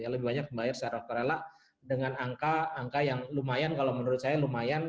lebih banyak pembayar secara sukarela dengan angka yang lumayan kalau menurut saya lumayan